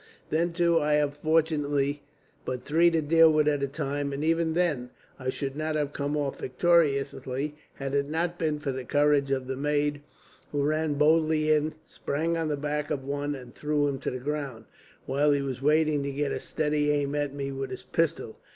Then, too, I had fortunately but three to deal with at a time; and even then, I should not have come off victorious had it not been for the courage of the maid, who ran boldly in, sprang on the back of one, and threw him to the ground, while he was waiting to get a steady aim at me with his pistol.